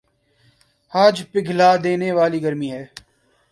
آج پگھلا دینے والی گرمی ہے